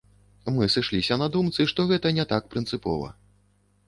Мы сышліся на думцы, што гэта не так прынцыпова.